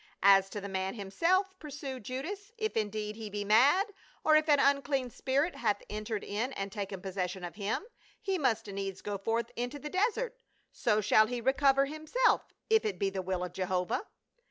" As to the man himself," pursued Judas, " if indeed he be mad, or if an unclean spirit hath entered in and taken possession of him, he must needs go forth into the desert ; so shall he recover himself, if it be the will of Jehovah."